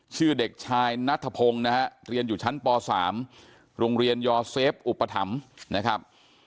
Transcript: ชื่อเด็กชายนัทพงศ์นะฮะเรียนอยู่ชั้นป๓โรงเรียนยอเซฟอุปถัมภ์นะครับ